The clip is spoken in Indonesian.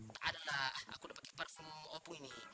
tak adalah aku pakai parfum opung ini